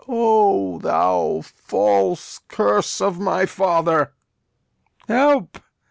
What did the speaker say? O thou false Curse of my Father! Help!